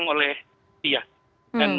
untuk mencapai kepentingan